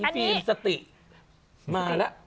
ฟิล์มสติมาแล้ว